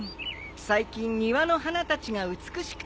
最近庭の花たちが美しくてね。